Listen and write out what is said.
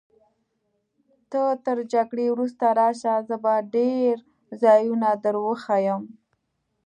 ته تر جګړې وروسته راشه، زه به ډېر ځایونه در وښیم.